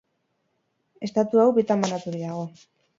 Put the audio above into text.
Estatu hau, bitan banaturik dago.